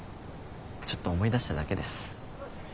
ちょっと思い出しただけです。